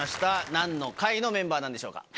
何の会のメンバーなんでしょうか？